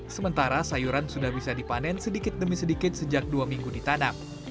sementara sayuran sudah bisa dipanen sedikit demi sedikit sejak dua minggu ditanam